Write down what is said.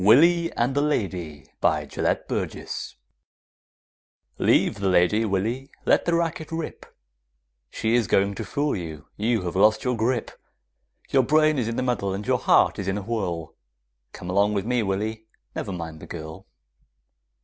WILLY AND THE LADY BY GELETT BURGESS Leave the lady, Willy, let the racket rip, She is going to fool you, you have lost your grip, Your brain is in a muddle and your heart is in a whirl, Come along with me, Willy, never mind the girl!